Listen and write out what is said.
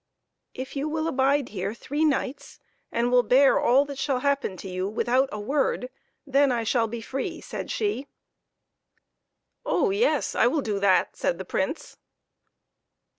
" If you will abide here three nights, and will bear all that shall happen to you without a word, then I shall be free," said she. " Oh yes, I will do that," said the Prince.